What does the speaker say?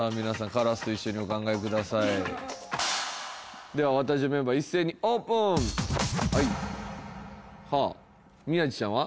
カラスと一緒にお考えくださいではワタジョメンバー一斉にオープンはあ宮治ちゃんは？